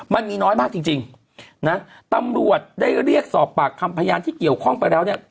มันมีน้อยมากจริงจริงนะตำรวจได้เรียกสอบปากคำพยานที่เกี่ยวข้องไปแล้วเนี่ย